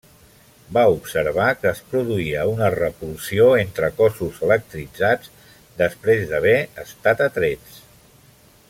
Va observar que es produïa una repulsió entre cossos electritzats després d'haver estat atrets.